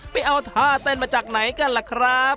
ไปเอาท่าเต้นมาจากไหนกันล่ะครับ